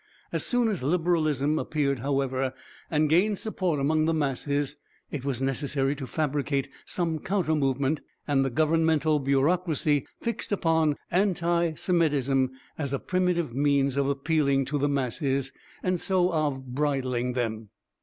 As soon as Liberalism appeared, however, and gained support among the masses, it was necessary to fabricate some counter movement, and the governmental bureaucracy fixed upon anti Semitism as a primitive means of appealing to the masses, and so of bridling them.